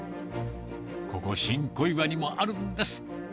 ここ、新小岩にもあるんです。